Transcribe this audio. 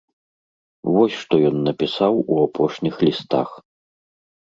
Вось што ён напісаў у апошніх лістах.